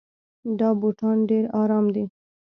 دا بوټان ډېر ارام دي.